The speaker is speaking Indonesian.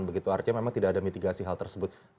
begitu artinya memang tidak ada mitigasi hal tersebut